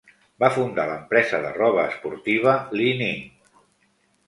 Va fundar l'empresa de roba esportiva Li-Ning.